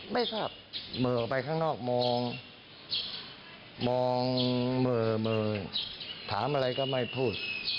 ไม่ทราบเมื่อไปข้างนอกมองเมื่อถามอะไรก็ไม่พูด